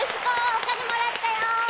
お金もらったよ！